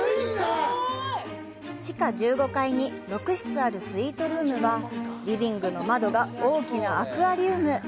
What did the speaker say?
地下１５階に６室あるスイートルームはリビングの窓が大きなアクアリウム。